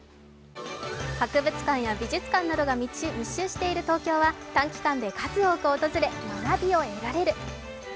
博物館や美術館などが密集している東京は短期間で数多く訪れ、学びを得られる。